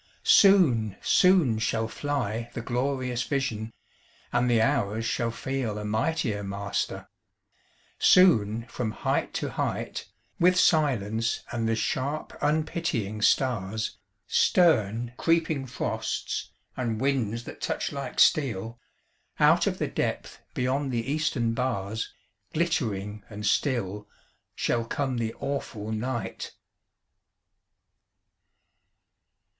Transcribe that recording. Soon, soon shall fly The glorious vision, and the hours shall feel A mightier master; soon from height to height, With silence and the sharp unpitying stars, Stern creeping frosts, and winds that touch like steel, Out of the depth beyond the eastern bars, Glittering and still shall come the awful night.